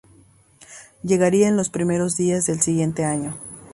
Llegaría en los primeros días del siguiente año.